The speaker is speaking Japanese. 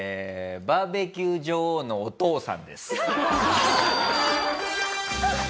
バーベキュー女王のお父さんです。